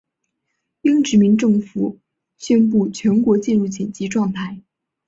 英殖民政府宣布全国进入紧急状态。